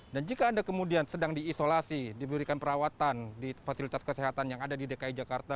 dan jika anda kemudian sedang diisolasi diberikan perawatan di fasilitas kesehatan yang ada di dki jakarta